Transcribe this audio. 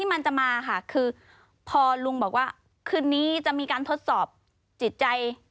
มันจะมาค่ะคือพอลุงบอกว่าคืนนี้จะมีการทดสอบจิตใจ